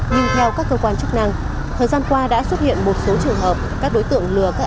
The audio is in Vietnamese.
nhưng theo các cơ quan chức năng thời gian qua đã xuất hiện một số trường hợp các đối tượng lừa các